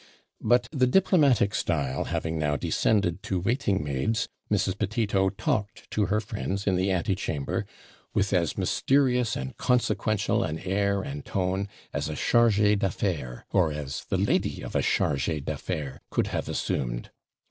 But the diplomatic style having now descended to waiting maids, Mrs. Petito talked to her friends in the antechamber with as mysterious and consequential an air and tone, as a CHARGE D'AFFAIRES, or as the lady of a CHARGE D'AFFAIRES, could have assumed.